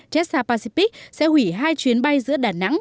jetstar pacific sẽ hủy hai chuyến bay giữa đà nẵng